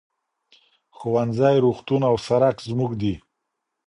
ښوونځی، روغتون او سرک زموږ دي.